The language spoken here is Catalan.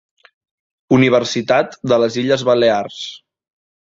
Universitat de les Illes Balears.